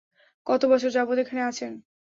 কতবছর যাবৎ এখানে আছেন?